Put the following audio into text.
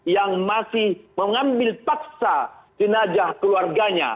yang masih mengambil paksa jenajah keluarganya